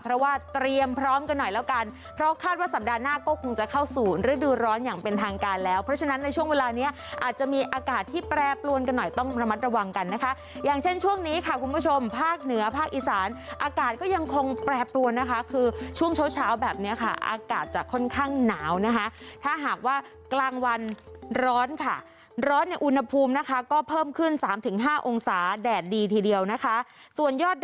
เพราะว่าเตรียมพร้อมกันหน่อยแล้วกันเพราะคาดว่าสัปดาห์หน้าก็คงจะเข้าสู่ฤดูร้อนอย่างเป็นทางการแล้วเพราะฉะนั้นในช่วงเวลานี้อาจจะมีอากาศที่แปรปรวนกันหน่อยต้องระมัดระวังกันนะคะอย่างเช่นช่วงนี้ค่ะคุณผู้ชมภาคเหนือภาคอีสานอากาศก็ยังคงแปรปรวนนะคะคือช่วงเช้าแบบนี้ค่ะอากาศ